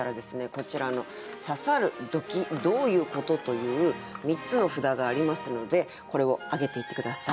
こちらの「刺さる」「ドキッ」「どういうこと？」という３つの札がありますのでこれを挙げていって下さい。